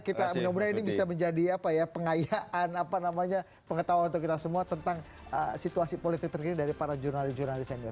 kita mudah mudahan ini bisa menjadi apa ya pengayaan apa namanya pengetahuan untuk kita semua tentang situasi politik terkini dari para jurnalis jurnalis senior